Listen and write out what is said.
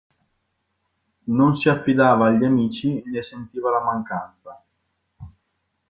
Non si affidava agli amici, e ne sentiva la mancanza.